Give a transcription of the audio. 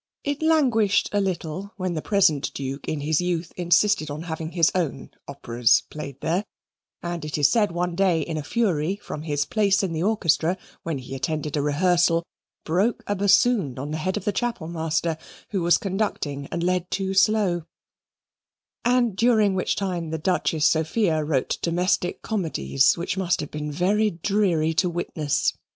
It languished a little when the present Duke in his youth insisted upon having his own operas played there, and it is said one day, in a fury, from his place in the orchestra, when he attended a rehearsal, broke a bassoon on the head of the Chapel Master, who was conducting, and led too slow; and during which time the Duchess Sophia wrote domestic comedies, which must have been very dreary to witness.